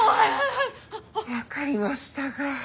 分かりましたか。